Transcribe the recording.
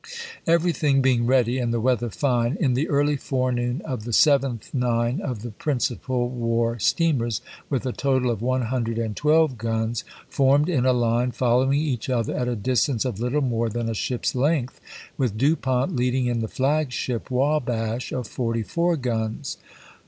Everything being ready, and the weather fine, in the early forenoon of the 7th nine of the principal war steamers, with a total of 112 guns, formed in a line following each other at a distance of little more than a ship's length, with Du Pont leading in the flag ship Wabash of forty four guns.